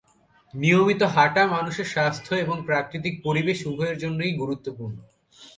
নিয়মিত হাঁটা মানুষের স্বাস্থ্য এবং প্রাকৃতিক পরিবেশ উভয়ের জন্যই গুরুত্বপূর্ণ।